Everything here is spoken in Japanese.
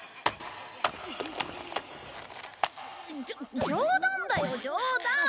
じょ冗談だよ冗談！